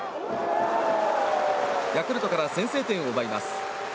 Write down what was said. ヤクルトから先制点を奪います。